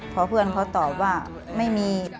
พอเพื่อนเขาตอบว่าไม่มี